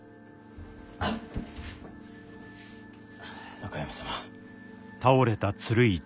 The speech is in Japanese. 中山様。